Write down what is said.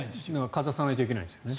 かざさないといけないですよね。